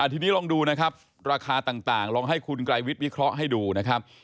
ทีนี้ลองดูนะครับราคาต่างลองให้คุณไกรวิทย์วิเคราะห์ให้ดูนะครับ